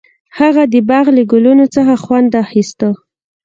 هغه د باغ له ګلونو څخه خوند اخیست.